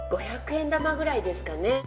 ５００円玉くらいですかね。